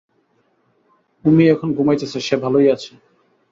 উমি এখন ঘুমাইতেছে–সে ভালোই আছে।